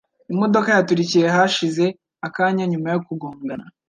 Imodoka yaturikiye hashize akanya nyuma yo kugongana.